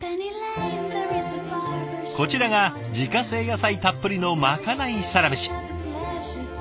こちらが自家製野菜たっぷりのまかないサラメシ。